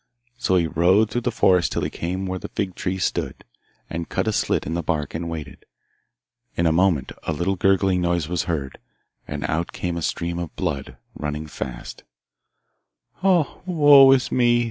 So he rode through the forest till he came where the fig tree stood, and cut a slit in the bark, and waited. In a moment a little gurgling noise was heard, and out came a stream of blood, running fast. 'Ah, woe is me!